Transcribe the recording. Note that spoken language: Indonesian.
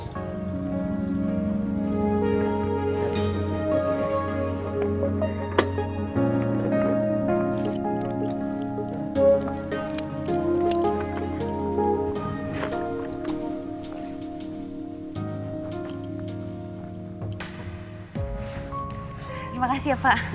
terima kasih pak